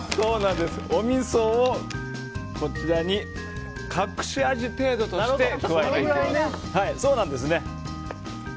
おみそをこちらに隠し味程度として加えます。